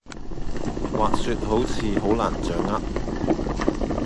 滑雪好似好難掌握